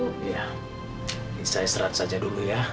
saya istirahat saja dulu ya